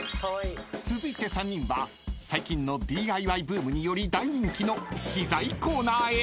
［続いて３人は最近のＤＩＹブームにより大人気の資材コーナーへ］